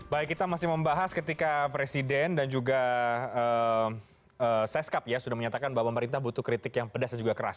baik kita masih membahas ketika presiden dan juga seskap ya sudah menyatakan bahwa pemerintah butuh kritik yang pedas dan juga keras